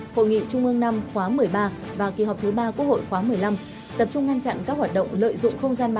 hội nghị trung ương năm khóa một mươi ba và kỳ họp thứ ba quốc hội khóa một mươi năm